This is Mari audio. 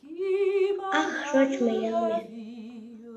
Ах, шочмо йылме!